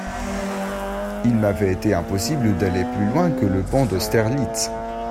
Il m’avait été impossible d’aller plus loin que le pont d’Austerlitz.